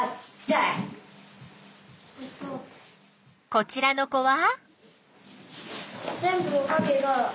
こちらの子は？